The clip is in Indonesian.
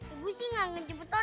ibu sih enggak ngejebet tono